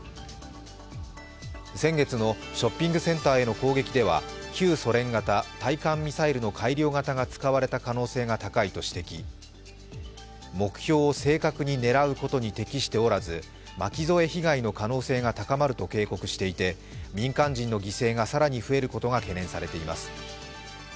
先月のショッピングセンターへの攻撃では旧ソ連型・対艦ミサイルの改良型が使われた可能性が高いと指摘、目標を正確に狙うことに適しておらず、巻き添え被害の可能性が高まると警告していて民間人の犠牲が更に増えることが懸念されています。